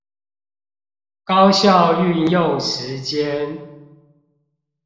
高效運用時間